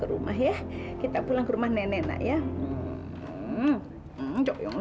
aku tahu ketika dia ketemu aku dalam keluarga apa mereka hanya jauh bekerja ketemu langsung